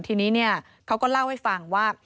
ทีนี้เขาก็เล่าให้ฟังว่า